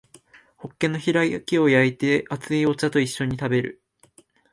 ホッケの開きを焼いて熱いお茶と一緒に食べる